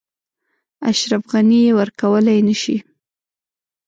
اشرف غني یې ورکولای نه شي.